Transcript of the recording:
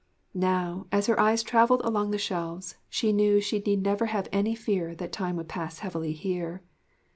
Now, as her eyes travelled along the shelves, she knew she need never have any fear that time would pass heavily here.